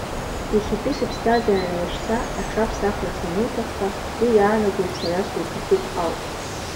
Иахьатәи сыԥсҭазаара лашьца аҽаԥсахырц ануҭахха, уи иаанаго сара суҭахуп ауп.